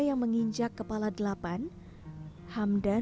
ya cara apa